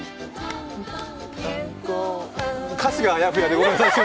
歌詞があやふやでごめんなさい。